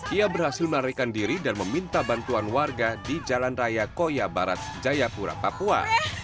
ia berhasil melarikan diri dan meminta bantuan warga di jalan raya koya barat jayapura papua